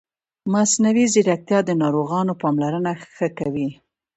مصنوعي ځیرکتیا د ناروغانو پاملرنه ښه کوي.